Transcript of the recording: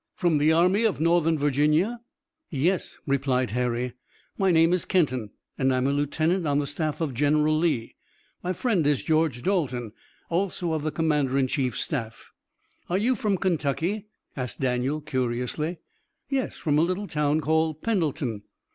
"From the Army of Northern Virginia?" "Yes," replied Harry. "My name is Kenton and I'm a lieutenant on the staff of General Lee. My friend is George Dalton, also of the commander in chief's staff." "Are you from Kentucky?" asked Daniel curiously. "Yes, from a little town called Pendleton."